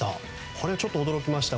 これ、ちょっと驚きました。